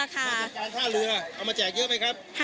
ราชการท่าเรือเอามาแจกเยอะไหมครับ